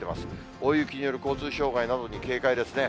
大雪による交通障害などに警戒ですね。